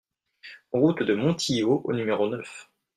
Route de Montillot au numéro neuf